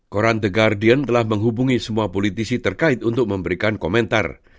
koran the guardian telah menghubungi semua politisi terkait untuk memberikan komentar